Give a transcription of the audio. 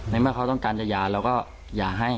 เมื่อเขาต้องการจะหย่าเราก็อย่าให้